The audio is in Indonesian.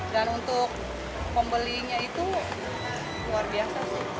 dan untuk pembelinya itu luar biasa sih